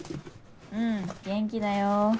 うん元気だよ。